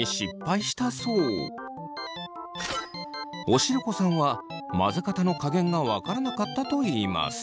おしるこさんは混ぜ方の加減が分からなかったといいます。